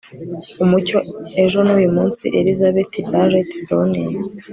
umucyo ejo n'uyu munsi! - elizabeth barrett browning